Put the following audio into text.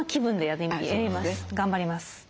頑張ります。